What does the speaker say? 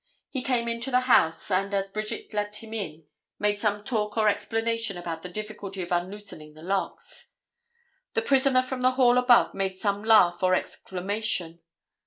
He came into the house, and as Bridget let him in made some talk or explanation about the difficulty of unloosening the locks. The prisoner from the hall above made some laugh or exclamation.